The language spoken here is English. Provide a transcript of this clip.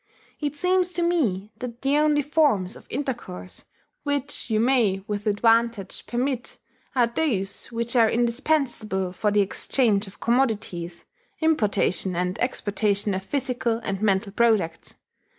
It seems to me that the only forms of intercourse which you may with advantage permit are those which are indispensable for the exchange of commodities importation and exportation of physical and mental products.